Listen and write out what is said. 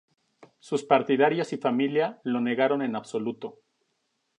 Sus partidarios y familia lo negaron en absoluto.